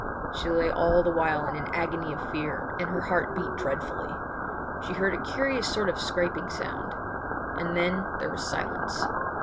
She lay all the while in an agony of fear, and her heart beat dreadfully. She heard a curious sort of scraping sound; and then there was silence.